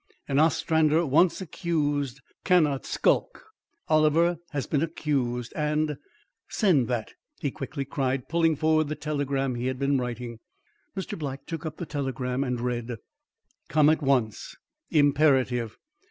An Ostrander once accused cannot skulk. Oliver has been accused and Send that!" he quickly cried, pulling forward the telegram he had been writing. Mr. Black took up the telegram and read: Come at once. Imperative.